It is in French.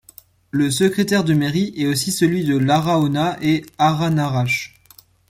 Le secrétaire de mairie est aussi celui de Larraona et Aranarache.